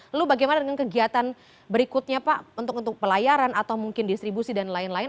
lalu bagaimana dengan kegiatan berikutnya pak untuk pelayaran atau mungkin distribusi dan lain lain